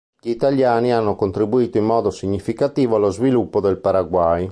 Gli italiani hanno contribuito in modo significativo allo sviluppo del Paraguay.